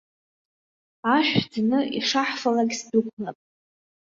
Ашә ӡны ишаҳфалак сдәықәлап.